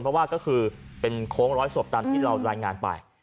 เพราะว่าก็คือเป็นโค้งร้อยศพตามที่เรารายงานไป